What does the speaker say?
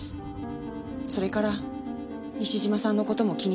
それから西島さんの事も気になるようになって。